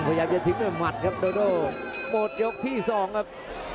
พยายามจะทิ้งด้วยหมัดครับโดโดหมดยกที่สองครับ